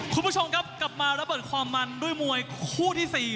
คุณผู้ชมครับกลับมาระเบิดความมันด้วยมวยคู่ที่๔